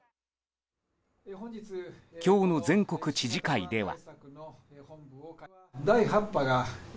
今日の全国知事会では。